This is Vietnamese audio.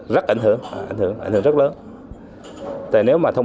rất ảnh hưởng ảnh hưởng rất lớn